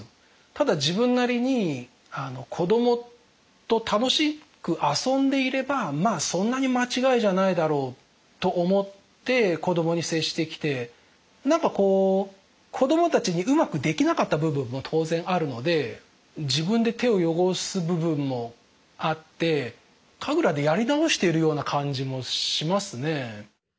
ただ自分なりに子供と楽しく遊んでいればそんなに間違いじゃないだろうと思って子供に接してきて何かこう子供たちにうまくできなかった部分は当然あるので自分で手を汚す部分もあってカグラでやり直しているような感じもしますね。